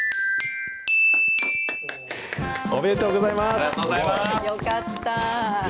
おめでとうございます。よかった。